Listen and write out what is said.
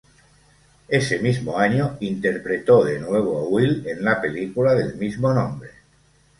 Ese mismo año interpretó de nuevo a Will en la película del mismo nombre.